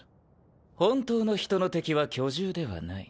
本当の人の敵は巨獣ではない。